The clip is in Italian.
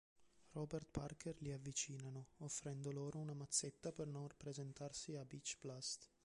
Robert Parker li avvicinano, offrendo loro una mazzetta per non presentarsi a "Beach Blast".